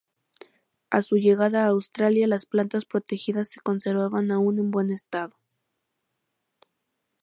A su llegada a Australia, las plantas protegidas se conservaban aún en buen estado.